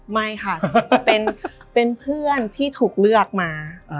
ไม่ค่ะเป็นเพื่อนที่ถูกเลือกมา